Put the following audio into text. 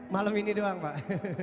malem ini doang pak